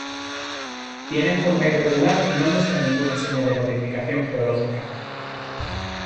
Tiene forma irregular y no muestra ninguna señal de modificación geológica.